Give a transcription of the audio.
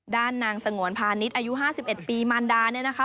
ด้านนางสงวนพาณิชย์อายุ๕๑ปีมารดาเนี่ยนะคะ